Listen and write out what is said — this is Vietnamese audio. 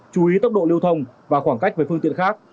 chú ý tốc độ lưu thông và khoảng cách với phương tiện khác